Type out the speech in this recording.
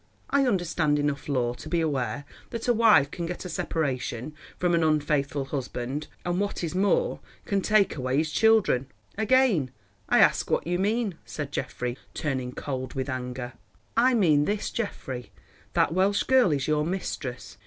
I understand enough law to be aware that a wife can get a separation from an unfaithful husband, and what is more, can take away his children." "Again I ask what you mean," said Geoffrey, turning cold with anger. "I mean this, Geoffrey. That Welsh girl is your mistress.